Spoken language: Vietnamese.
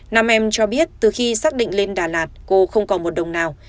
nam em cho biết từ khi xác định lên đà lạt cô không còn một đồng nào